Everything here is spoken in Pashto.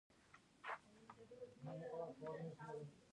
ملکیت د بیې په بدل کې اخیستل کیږي.